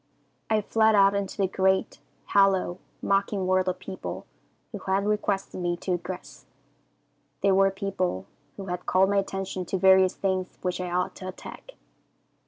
"I fled out into the great, hollow, mocking world of people who had requested me to aggress. They were people who had called my attention to various things which I ought to attack.